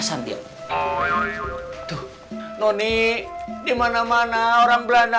hati nya masih banget